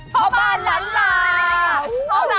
พ่อบานแล้ว